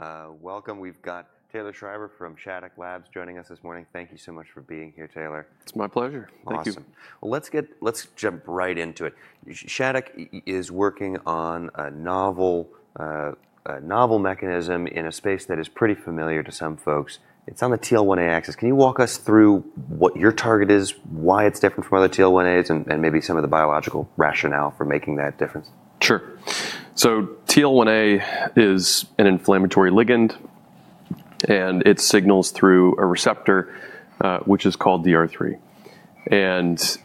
All right. Welcome. We've got Taylor Schreiber from Shattuck Labs joining us this morning. Thank you so much for being here, Taylor. It's my pleasure. Thank you. Awesome. Let's jump right into it. Shattuck is working on a novel mechanism in a space that is pretty familiar to some folks. It's on the TL1A axis. Can you walk us through what your target is, why it's different from other TL1As, and maybe some of the biological rationale for making that difference? Sure, so TL1A is an inflammatory ligand, and it signals through a receptor, which is called DR3, and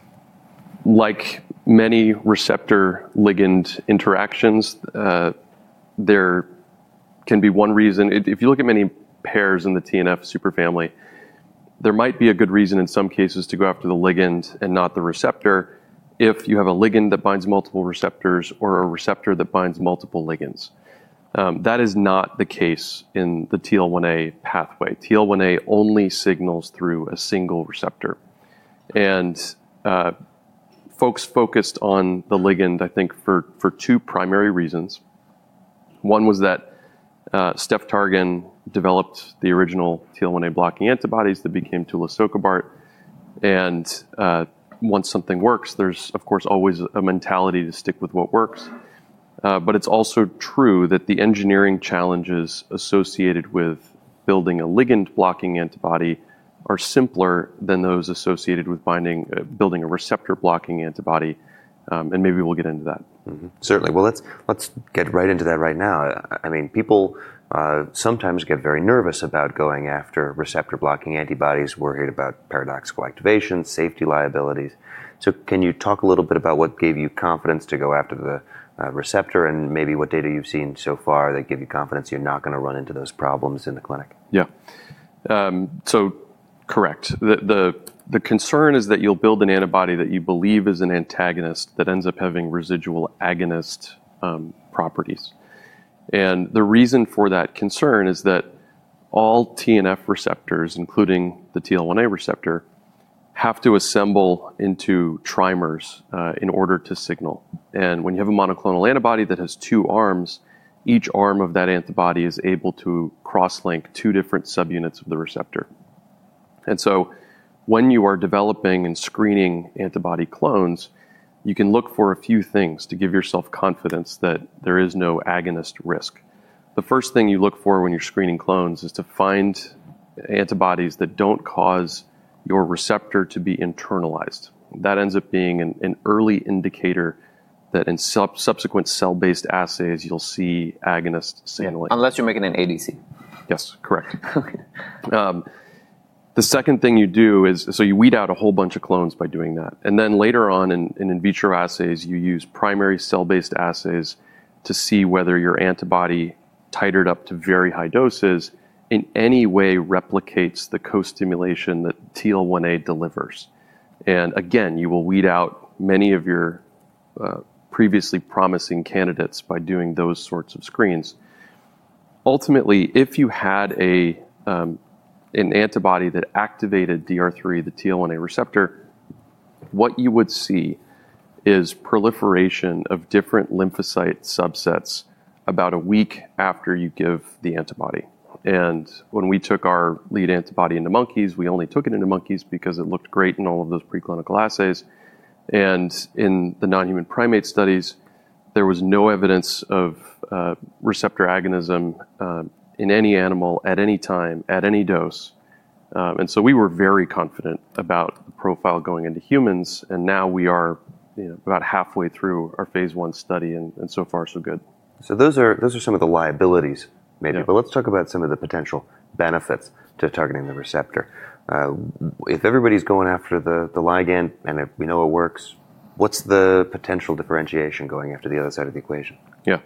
like many receptor-ligand interactions, there can be one reason, if you look at many pairs in the TNF superfamily, there might be a good reason in some cases to go after the ligand and not the receptor if you have a ligand that binds multiple receptors or a receptor that binds multiple ligands. That is not the case in the TL1A pathway. TL1A only signals through a single receptor, and folks focused on the ligand, I think, for two primary reasons. One was that Stephan Targan developed the original TL1A blocking antibodies that became Tulisokibart. And once something works, there's, of course, always a mentality to stick with what works. But it's also true that the engineering challenges associated with building a ligand-blocking antibody are simpler than those associated with building a receptor-blocking antibody. And maybe we'll get into that. Certainly. Well, let's get right into that right now. I mean, people sometimes get very nervous about going after receptor-blocking antibodies. We're hearing about paradoxical activation, safety liabilities. So can you talk a little bit about what gave you confidence to go after the receptor and maybe what data you've seen so far that give you confidence you're not going to run into those problems in the clinic? Yeah. So correct. The concern is that you'll build an antibody that you believe is an antagonist that ends up having residual agonist properties. And the reason for that concern is that all TNF receptors, including the TL1A receptor, have to assemble into trimers in order to signal. And when you have a monoclonal antibody that has two arms, each arm of that antibody is able to cross-link two different subunits of the receptor. And so when you are developing and screening antibody clones, you can look for a few things to give yourself confidence that there is no agonist risk. The first thing you look for when you're screening clones is to find antibodies that don't cause your receptor to be internalized. That ends up being an early indicator that in subsequent cell-based assays, you'll see agonist signaling. Unless you're making an ADC. Yes, correct. The second thing you do is, so you weed out a whole bunch of clones by doing that. And then later on in vitro assays, you use primary cell-based assays to see whether your antibody titrated up to very high doses in any way replicates the co-stimulation that TL1A delivers. And again, you will weed out many of your previously promising candidates by doing those sorts of screens. Ultimately, if you had an antibody that activated DR3, the TL1A receptor, what you would see is proliferation of different lymphocyte subsets about a week after you give the antibody. And when we took our lead antibody into monkeys, we only took it into monkeys because it looked great in all of those preclinical assays. And in the non-human primate studies, there was no evidence of receptor agonism in any animal at any time, at any dose. And so we were very confident about the profile going into humans. And now we are about halfway through our phase 1 study, and so far, so good. So those are some of the liabilities, maybe. But let's talk about some of the potential benefits to targeting the receptor. If everybody's going after the ligand and we know it works, what's the potential differentiation going after the other side of the equation? Yeah.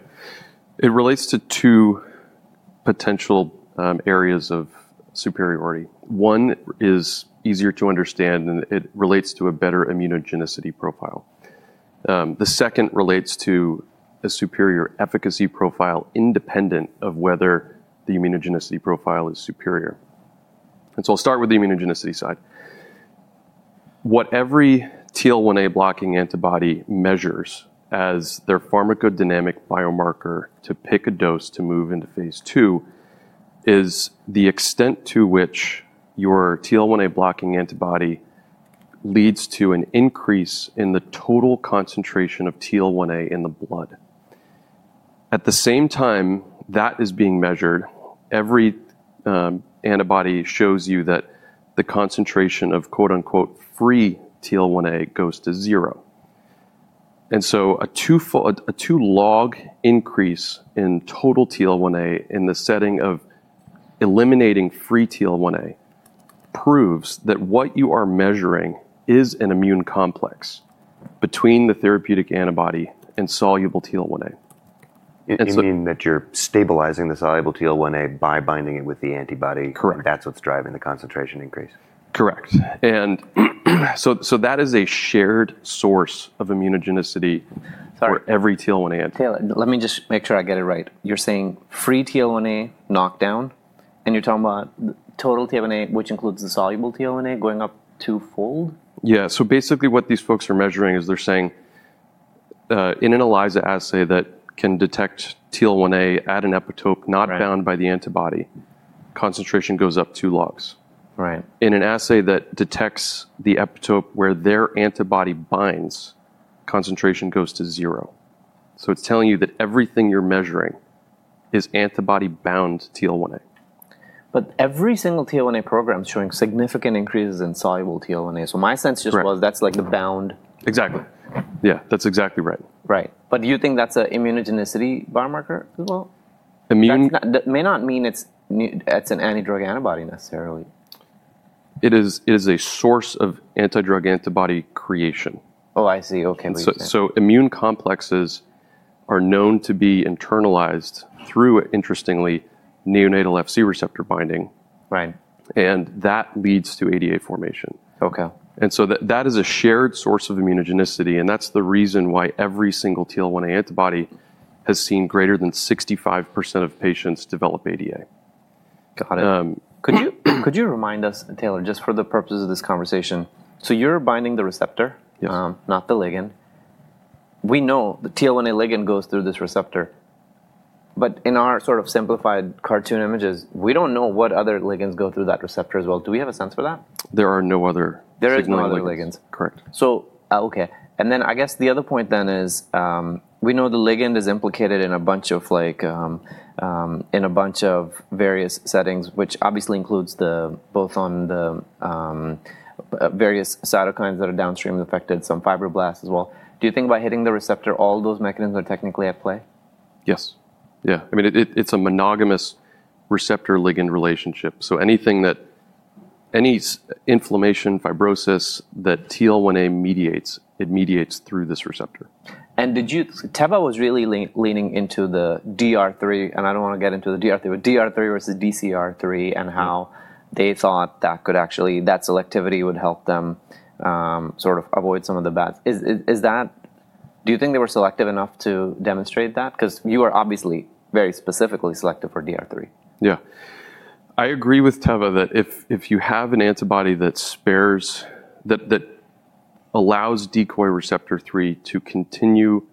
It relates to two potential areas of superiority. One is easier to understand, and it relates to a better immunogenicity profile. The second relates to a superior efficacy profile independent of whether the immunogenicity profile is superior. And so I'll start with the immunogenicity side. What every TL1A blocking antibody measures as their pharmacodynamic biomarker to pick a dose to move into phase two is the extent to which your TL1A blocking antibody leads to an increase in the total concentration of TL1A in the blood. At the same time that is being measured, every antibody shows you that the concentration of "free" TL1A goes to zero. And so a two-log increase in total TL1A in the setting of eliminating free TL1A proves that what you are measuring is an immune complex between the therapeutic antibody and soluble TL1A. You mean that you're stabilizing the soluble TL1A by binding it with the antibody. Correct. That's what's driving the concentration increase. Correct. And so that is a shared source of immunogenicity for every TL1A. Taylor, let me just make sure I get it right. You're saying free TL1A knocked down, and you're talking about total TL1A, which includes the soluble TL1A, going up twofold? Yeah. So basically what these folks are measuring is they're saying in an ELISA assay that can detect TL1A at an epitope not bound by the antibody, concentration goes up two logs. In an assay that detects the epitope where their antibody binds, concentration goes to zero. So it's telling you that everything you're measuring is antibody-bound TL1A. But every single TL1A program is showing significant increases in soluble TL1A. So my sense just was that's like the bound. Exactly. Yeah, that's exactly right. Right. But do you think that's an immunogenicity biomarker as well? Immune? That may not mean it's an antidrug antibody necessarily. It is a source of antidrug antibody creation. Oh, I see. Okay. Immune complexes are known to be internalized through, interestingly, neonatal Fc receptor binding. Right. That leads to ADA formation. Okay. And so that is a shared source of immunogenicity. And that's the reason why every single TL1A antibody has seen greater than 65% of patients develop ADA. Got it. Could you remind us, Taylor, just for the purposes of this conversation, so you're binding the receptor, not the ligand. We know the TL1A ligand goes through this receptor. But in our sort of simplified cartoon images, we don't know what other ligands go through that receptor as well. Do we have a sense for that? There are no other TL1A ligands. There are no other ligands. Correct. Okay. And then I guess the other point is we know the ligand is implicated in a bunch of various settings, which obviously includes both the various cytokines that are downstream affected, some fibroblasts as well. Do you think by hitting the receptor, all those mechanisms are technically at play? Yes. Yeah. I mean, it's a monogamous receptor-ligand relationship. So anything that any inflammation, fibrosis that TL1A mediates, it mediates through this receptor. Teva was really leaning into the DR3, and I don't want to get into the DR3, but DR3 versus DcR3 and how they thought that could actually selectivity would help them sort of avoid some of the bads. Is that do you think they were selective enough to demonstrate that? Because you were obviously very specifically selective for DR3. Yeah. I agree with Teva that if you have an antibody that spares that allows decoy receptor 3 to continue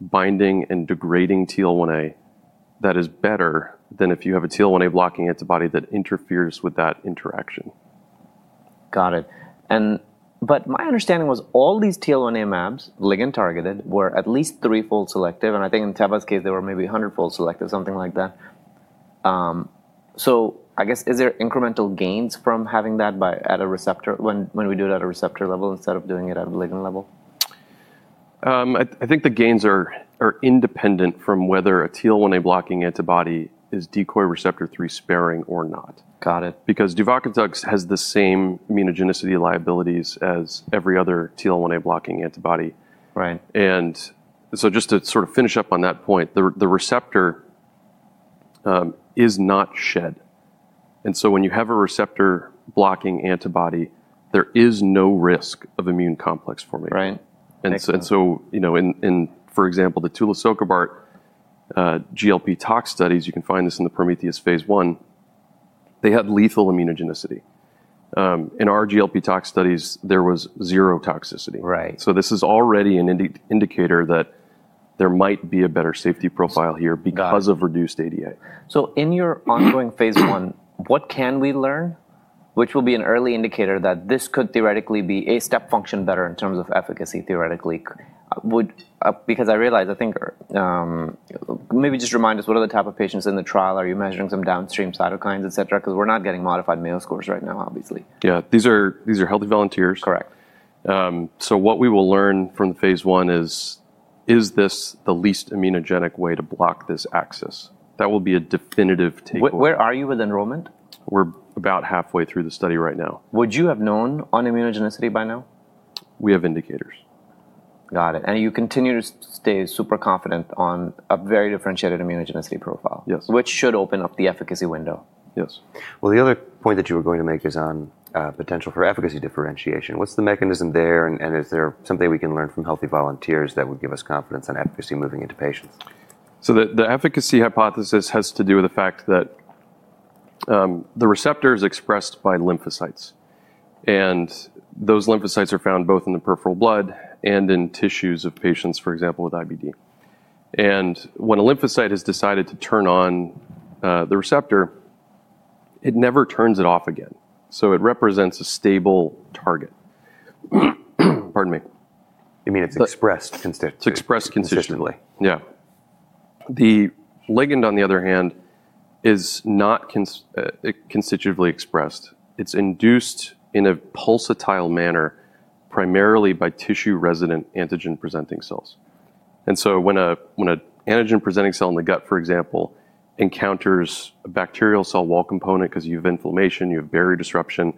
binding and degrading TL1A, that is better than if you have a TL1A blocking antibody that interferes with that interaction. Got it. But my understanding was all these TL1A MABs, ligand-targeted, were at least threefold selective. And I think in Teva's case, they were maybe hundredfold selective, something like that. So I guess, is there incremental gains from having that bias at a receptor when we do it at a receptor level instead of doing it at a ligand level? I think the gains are independent from whether a TL1A blocking antibody is decoy receptor 3 sparing or not. Got it. Because Tulisokibart has the same immunogenicity liabilities as every other TL1A blocking antibody. Right. Just to sort of finish up on that point, the receptor is not shed. When you have a receptor-blocking antibody, there is no risk of immune complex formation. Right. And so, for example, the Tulisokibart GLP-tox studies. You can find this in the Prometheus phase one. They had lethal immunogenicity. In our GLP-tox studies, there was zero toxicity. Right. This is already an indicator that there might be a better safety profile here because of reduced ADA. So in your ongoing phase one, what can we learn, which will be an early indicator that this could theoretically be a step function better in terms of efficacy theoretically? Because I realize, I think maybe just remind us, what are the type of patients in the trial? Are you measuring some downstream cytokines, etc.? Because we're not getting modified MALE scores right now, obviously. Yeah. These are healthy volunteers. Correct. So what we will learn from phase one is this the least immunogenic way to block this axis? That will be a definitive takeaway. Where are you with enrollment? We're about halfway through the study right now. Would you have known on immunogenicity by now? We have indicators. Got it, and you continue to stay super confident on a very differentiated immunogenicity profile. Yes. Which should open up the efficacy window. Yes. The other point that you were going to make is on potential for efficacy differentiation. What's the mechanism there? And is there something we can learn from healthy volunteers that would give us confidence in efficacy moving into patients? So the efficacy hypothesis has to do with the fact that the receptor is expressed by lymphocytes. And those lymphocytes are found both in the peripheral blood and in tissues of patients, for example, with IBD. And when a lymphocyte has decided to turn on the receptor, it never turns it off again. So it represents a stable target. Pardon me. You mean it's expressed consistently. It's expressed consistently. Yeah. The ligand, on the other hand, is not constitutively expressed. It's induced in a pulsatile manner primarily by tissue-resident antigen-presenting cells, and so when an antigen-presenting cell in the gut, for example, encounters a bacterial cell wall component because you have inflammation, you have barrier disruption,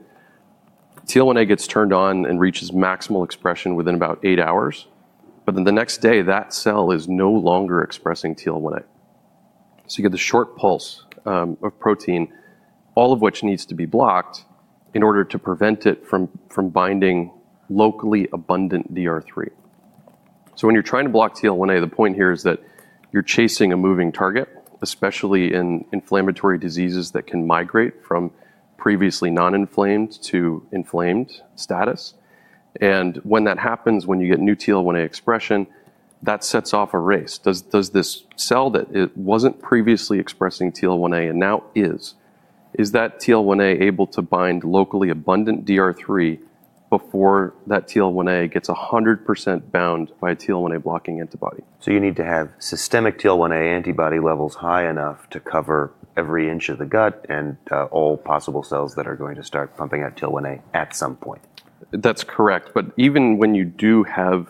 TL1A gets turned on and reaches maximal expression within about eight hours, but then the next day, that cell is no longer expressing TL1A, so you get the short pulse of protein, all of which needs to be blocked in order to prevent it from binding locally abundant DR3, so when you're trying to block TL1A, the point here is that you're chasing a moving target, especially in inflammatory diseases that can migrate from previously non-inflamed to inflamed status, and when that happens, when you get new TL1A expression, that sets off a race. Does this cell that wasn't previously expressing TL1A and now is, is that TL1A able to bind locally abundant DR3 before that TL1A gets 100% bound by a TL1A blocking antibody? You need to have systemic TL1A antibody levels high enough to cover every inch of the gut and all possible cells that are going to start pumping out TL1A at some point. That's correct. But even when you do have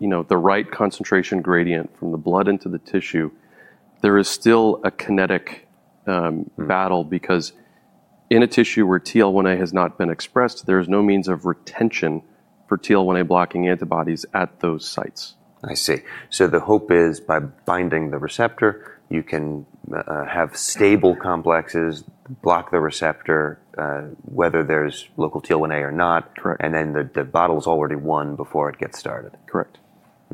the right concentration gradient from the blood into the tissue, there is still a kinetic battle because in a tissue where TL1A has not been expressed, there is no means of retention for TL1A blocking antibodies at those sites. I see. So the hope is by binding the receptor, you can have stable complexes block the receptor, whether there's local TL1A or not. Correct. The battle is already won before it gets started. Correct.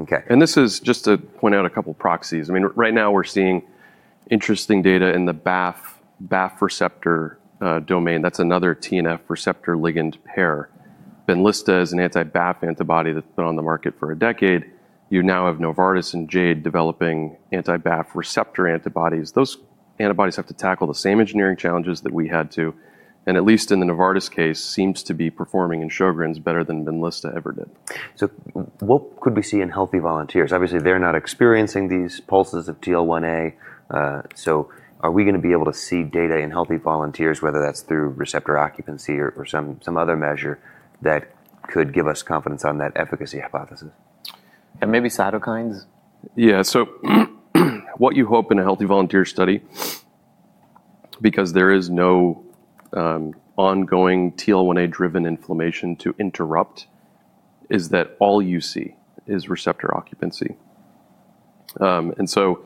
Okay. And this is just to point out a couple of proxies. I mean, right now we're seeing interesting data in the BAFF receptor domain. That's another TNF receptor ligand pair. Benlysta is an anti-BAFF antibody that's been on the market for a decade. You now have Novartis and Jade developing anti-BAFF receptor antibodies. Those antibodies have to tackle the same engineering challenges that we had to. And at least in the Novartis case, seems to be performing in Sjogren's better than Benlysta ever did. What could we see in healthy volunteers? Obviously, they're not experiencing these pulses of TL1A. So are we going to be able to see data in healthy volunteers, whether that's through receptor occupancy or some other measure that could give us confidence on that efficacy hypothesis? And maybe cytokines? Yeah. So what you hope in a healthy volunteer study, because there is no ongoing TL1A-driven inflammation to interrupt, is that all you see is receptor occupancy. And so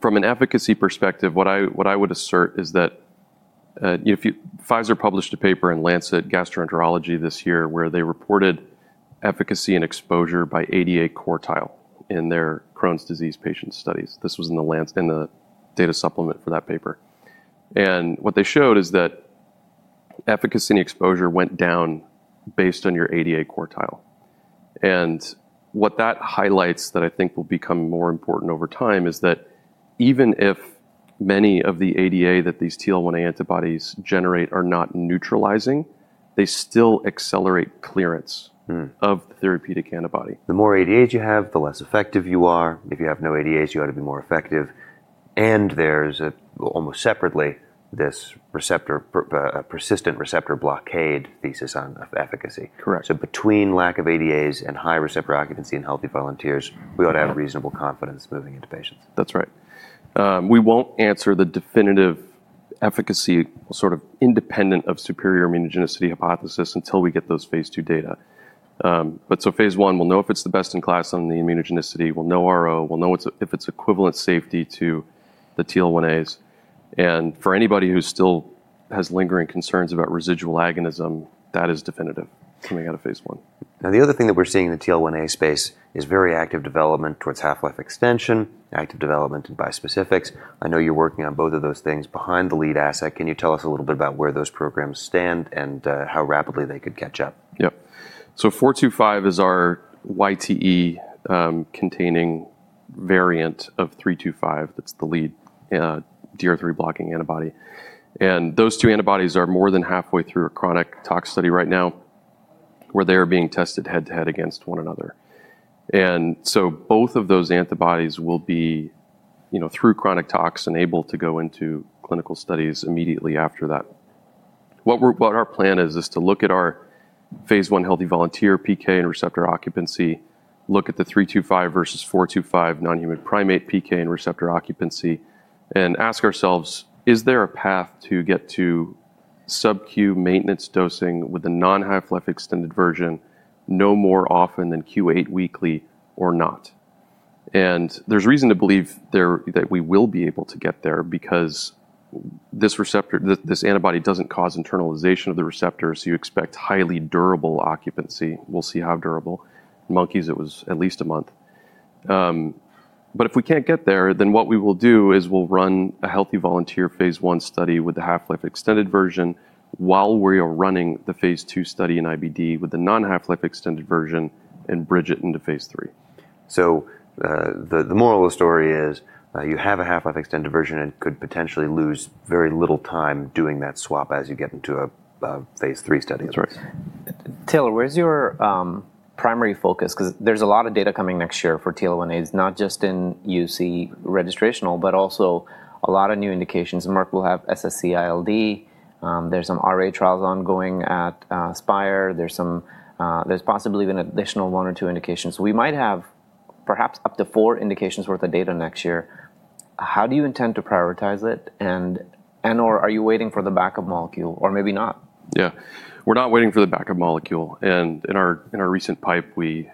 from an efficacy perspective, what I would assert is that Pfizer published a paper in Lancet Gastroenterology this year where they reported efficacy and exposure by ADA quartile in their Crohn's disease patient studies. This was in the data supplement for that paper. And what they showed is that efficacy and exposure went down based on your ADA quartile. And what that highlights that I think will become more important over time is that even if many of the ADA that these TL1A antibodies generate are not neutralizing, they still accelerate clearance of the therapeutic antibody. The more ADAs you have, the less effective you are. If you have no ADAs, you ought to be more effective. And there's almost separately this persistent receptor blockade thesis on efficacy. Correct. So, between lack of ADAs and high receptor occupancy in healthy volunteers, we ought to have reasonable confidence moving into patients. That's right. We won't answer the definitive efficacy sort of independent of superior immunogenicity hypothesis until we get those phase two data, but phase one, we'll know if it's the best in class on the immunogenicity. We'll know RO. We'll know if it's equivalent safety to the TL1As, and for anybody who still has lingering concerns about residual agonism, that is definitive coming out of phase one. Now, the other thing that we're seeing in the TL1A space is very active development towards half-life extension, active development in bispecifics. I know you're working on both of those things behind the lead asset. Can you tell us a little bit about where those programs stand and how rapidly they could catch up? Yep. So 425 is our YTE-containing variant of 325. That's the lead DR3 blocking antibody. And those two antibodies are more than halfway through a chronic tox study right now where they are being tested head-to-head against one another. And so both of those antibodies will be through chronic tox and able to go into clinical studies immediately after that. What our plan is, is to look at our phase one healthy volunteer PK and receptor occupancy, look at the 325 versus 425 non-human primate PK and receptor occupancy, and ask ourselves, is there a path to get to sub-Q maintenance dosing with a non-half-life extended version, no more often than Q8 weekly or not? And there's reason to believe that we will be able to get there because this antibody doesn't cause internalization of the receptor, so you expect highly durable occupancy. We'll see how durable. Monkeys, it was at least a month. But if we can't get there, then what we will do is we'll run a healthy volunteer phase one study with the half-life extended version while we are running the phase two study in IBD with the non-half-life extended version and bridge it into phase three. The moral of the story is you have a half-life extended version and could potentially lose very little time doing that swap as you get into a phase three study. That's right. Taylor, where's your primary focus? Because there's a lot of data coming next year for TL1As, not just in UC registrational, but also a lot of new indications. Merck will have SSC-ILD. There's some RA trials ongoing at Spyre. There's possibly even an additional one or two indications. We might have perhaps up to four indications' worth of data next year. How do you intend to prioritize it? And are you waiting for the backup molecule or maybe not? Yeah. We're not waiting for the backup molecule. And in our recent pipe, we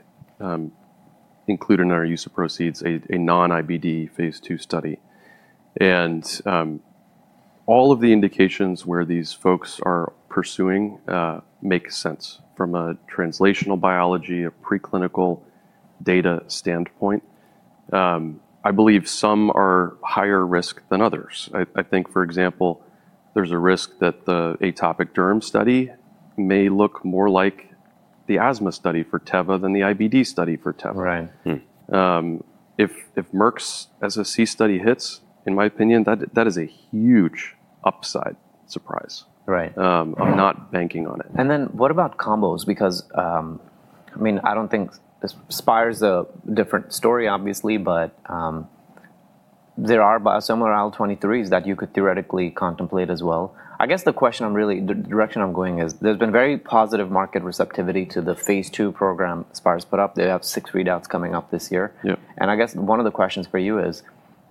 included in our use of proceeds a non-IBD phase two study. And all of the indications where these folks are pursuing make sense from a translational biology, a preclinical data standpoint. I believe some are higher risk than others. I think, for example, there's a risk that the atopic derm study may look more like the asthma study for Teva than the IBD study for Teva. Right. If Merck's SSC study hits, in my opinion, that is a huge upside surprise. Right. I'm not banking on it. And then what about combos? Because, I mean, I don't think Spyre's a different story, obviously, but there are biosimilar IL-23s that you could theoretically contemplate as well. I guess the question I'm really, the direction I'm going is there's been very positive market receptivity to the phase two program Spyre's put up. They have six readouts coming up this year. Yeah. I guess one of the questions for you is,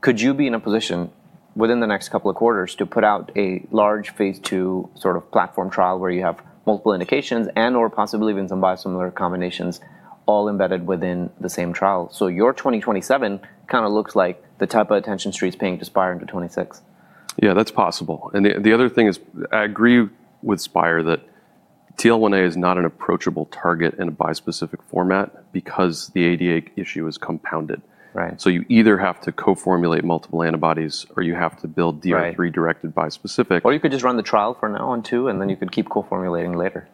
could you be in a position within the next couple of quarters to put out a large phase two sort of platform trial where you have multiple indications and/or possibly even some biosimilar combinations all embedded within the same trial? Your 2027 kind of looks like the type of attention the Street's paying to Spyre into 2026. Yeah, that's possible. And the other thing is I agree with Spyre that TL1A is not an approachable target in a bispecific format because the ADA issue is compounded. Right. So you either have to co-formulate multiple antibodies or you have to build DR3-directed bispecific. Or you could just run the trial for now on two and then you could keep co-formulating later.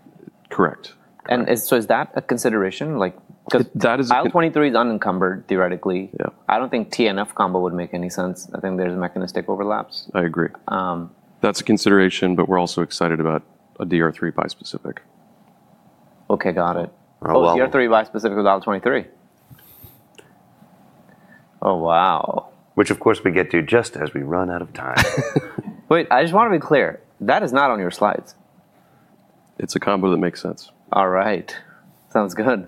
Correct. And so is that a consideration? That is. IL-23 is unencumbered theoretically. Yeah. I don't think TNF combo would make any sense. I think there's mechanistic overlaps. I agree. That's a consideration, but we're also excited about a DR3 bispecific. Okay, got it. Oh. Oh, DR3 bispecific with IL-23. Oh, wow. Which, of course, we get to just as we run out of time. Wait, I just want to be clear. That is not on your slides. It's a combo that makes sense. All right. Sounds good.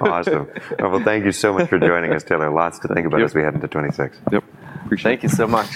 Awesome. Well, thank you so much for joining us, Taylor. Lots to think about as we head into 2026. Yep. Appreciate it. Thank you so much.